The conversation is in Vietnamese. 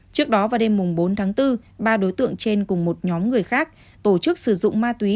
trước đó vào đêm bốn tháng bốn ba đối tượng trên cùng một nhóm người khác tổ chức sử dụng ma túy